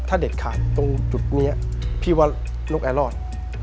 ถ้าเด็ดขาดตรงจุดนี้พี่ว่านกแอร์รอด